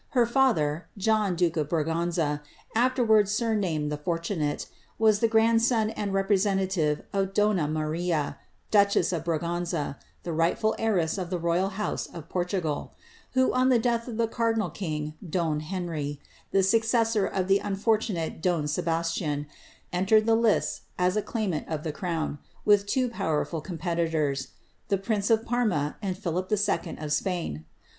Her father, John duke of Braganza, Js surnamed the Fortunate, was the grandson and representative I Maria, duchess of Braganza, tlie rightful heiress of the royal Portugal, who, on the death of the cardinal king, don Henry, ^sor of the unfortunate don Sebastian, entered the lists as a of the crown, with two powerful competitors, the prince of 1 Philip II. of Spain.